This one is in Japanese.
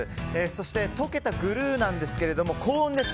そして溶けたグルーなんですけども高温です。